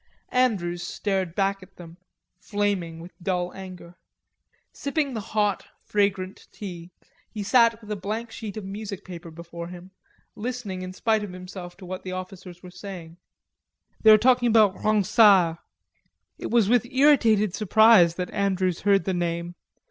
Andrews stared back at them, flaming with dull anger. Sipping the hot, fragrant tea, he sat with a blank sheet of music paper before him, listening in spite of himself to what the officers were saying. They were talking about Ronsard. It was with irritated surprise that Andrews heard the name.